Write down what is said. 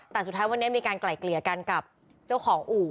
แต่สุดท้ายวันนี้มีการไกล่เกลี่ยกันกับเจ้าของอู่